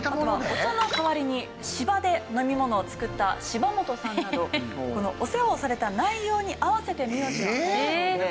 お茶の代わりに芝で飲み物を作った柴本さんなどお世話をされた内容に合わせて名字がもらえたそうで。